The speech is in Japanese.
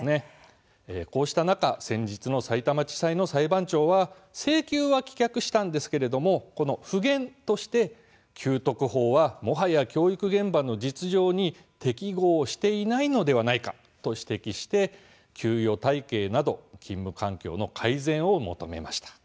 こうした中、先日のさいたま地裁の裁判長は請求は棄却したんですけれども付言として給特法はもはや教育現場の実情に適合していないのではないかと指摘して給与体系など勤務環境の改善を求めました。